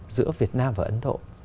giữa việt nam và ấn độ